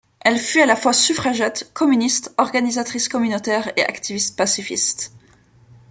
Elle fut à la fois suffragette, communiste, organisatrice communautaire et activiste pacifiste.